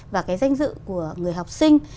và cái danh dự của người học sinh